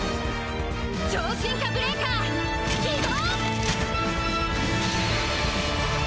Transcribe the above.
超進化ブレーカー起動！